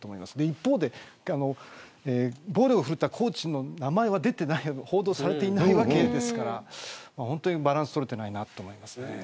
一方で暴力を振るったコーチの名前は報道されていないわけですからほんとにバランス取れていないなと思います。